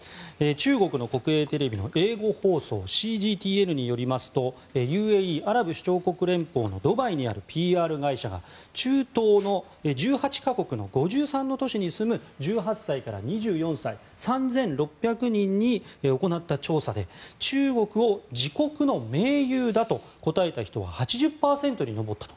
中国の国営テレビの英語放送ＣＧＴＮによりますとＵＡＥ・アラブ首長国連邦のドバイにあるＰＲ会社が中東の１８か国の５３の都市に住む１８歳から２４歳３６００人に行った調査で中国を自国の盟友だと答えた人は８０％に上ったと。